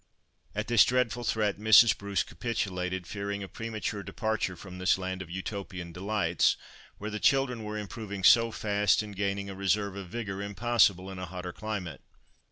At this dreadful threat Mrs. Bruce capitulated, fearing a premature departure from this land of Utopian delights, where the children were improving so fast, and gaining a reserve of vigour impossible in a hotter climate.